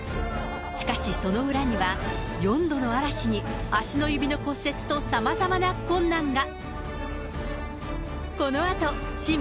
しかし、その裏には、４度の嵐に足の指の骨折と、さまざまな困難が。